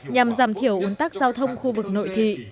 nhằm giảm thiểu ốn tắc giao thông khu vực nội thị